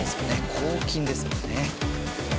抗菌ですもんね。